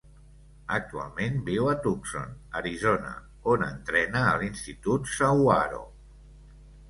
Actualment viu a Tucson, Arizona, on entrena a l'institut Sahuaro.